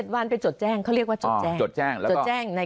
๗วันไปจดแจ้งเขาเรียกว่าจดแจ้ง